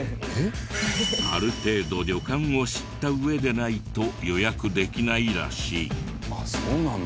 ある程度旅館を知った上でないと予約できないらしい。